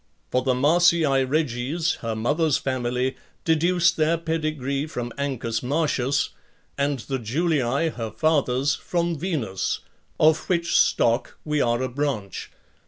For the Marcii Reges , her mother's family, deduce their pedigree from Ancus Marcius, and the Julii, her father's, from Venus; of which stock we are a branch.